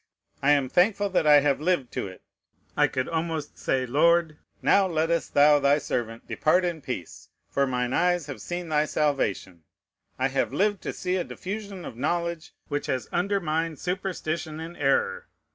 I am thankful that I have lived to it; I could almost say, Lord, now lettest thou thy servant depart in peace, for mine eyes have seen thy salvation. I have lived to see a diffusion of knowledge which has undermined superstition and error.